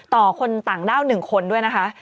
คนต่างด้าว๑คนด้วยนะคะ